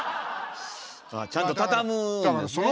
ちゃんと畳むんですね。